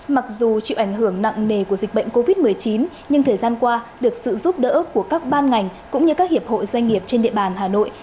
mặc dù chịu ảnh hưởng nặng nề của dịch bệnh covid một mươi chín nhưng thời gian qua được sự giúp đỡ của các ban ngành cũng như các hiệp hội doanh nghiệp trên địa bàn hà nội